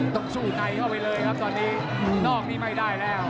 ต้องสู้ในเข้าไปเลยครับตอนนี้นอกนี่ไม่ได้แล้ว